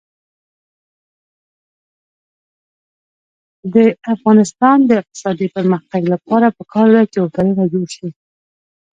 د افغانستان د اقتصادي پرمختګ لپاره پکار ده چې هوټلونه جوړ شي.